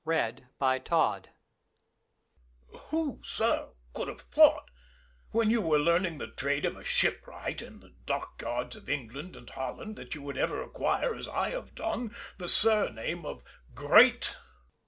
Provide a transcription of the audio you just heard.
Louis. Who, sir, could have thought, when you were learning the trade of a shipwright in the dockyards of England and Holland, that you would ever acquire, as I had done, the surname of "Great."